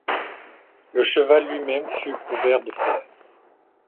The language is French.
Le cheval lui-même fut couvert de fer.